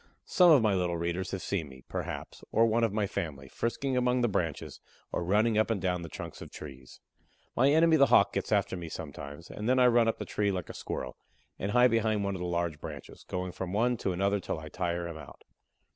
Some of my little readers have seen me, perhaps, or one of my family, frisking among the branches, or running up and down the trunks of trees. My enemy the Hawk gets after me sometimes, and then I run up the tree "like a Squirrel," and hide behind one of the large branches, going from one to another till I tire him out.